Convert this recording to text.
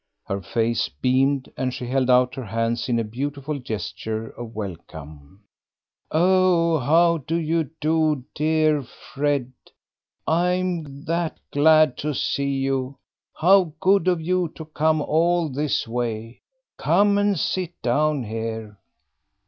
Her face beamed, and she held out her hands in a beautiful gesture of welcome. "Oh, how do you do, dear Fred? I am that glad to see you! How good of you to come all this way! Come and sit down here."